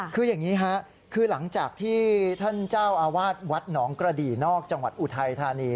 คืออย่างนี้ค่ะคือหลังจากที่ท่านเจ้าอาวาสวัดหนองกระดี่นอกจังหวัดอุทัยธานี